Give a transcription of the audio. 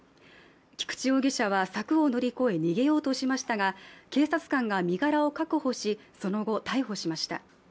菊池容疑者は柵を乗り越え、逃げようとしましたが警察官が身柄を確保しその後、逮捕しました。